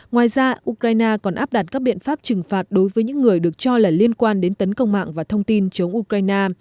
ngoài ra ukraine còn áp đặt các biện pháp trừng phạt đối với những người được cho là liên quan đến tấn công mạng và thông tin chống ukraine